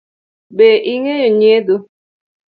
Be ing’eyo nyiedho?